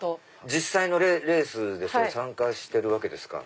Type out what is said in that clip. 実際のレース参加してるわけですか？